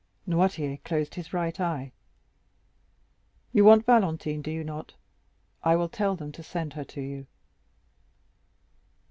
Noirtier closed his right eye. "You want Valentine, do you not? I will tell them to send her to you."